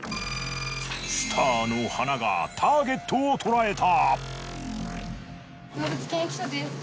スターの鼻がターゲットをとらえた。